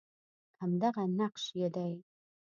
همدغه نقش یې دی